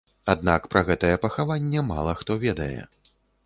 Аднак пра гэтае пахаванне мала хто ведае.